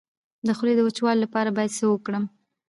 د خولې د وچوالي لپاره باید څه وکړم؟